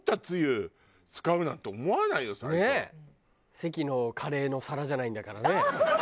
関のカレーの皿じゃないんだからね。